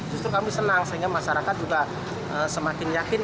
justru kami senang sehingga masyarakat juga semakin yakin